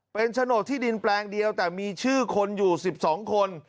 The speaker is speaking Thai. เป็นโฉนดที่ดินแปลงเดียวแต่มีชื่อคนอยู่๑๒คน